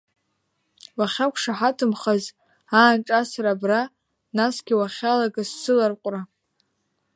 Уахьақәшаҳаҭымхаз аанҿасра абра, насгьы уахьалагаз сыларҟәра.